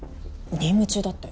任務中だって。